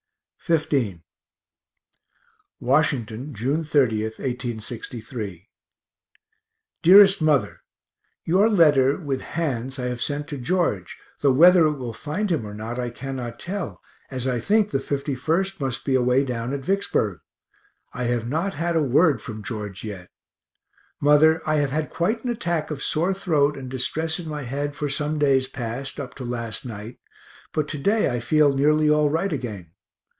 XV Washington, June 30th, 1863. DEAREST MOTHER Your letter, with Han's, I have sent to George, though whether it will find him or not I cannot tell, as I think the 51st must be away down at Vicksburg. I have not had a word from George yet. Mother, I have had quite an attack of sore throat and distress in my head for some days past, up to last night, but to day I feel nearly all right again.